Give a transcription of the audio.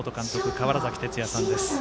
川原崎哲也さんです。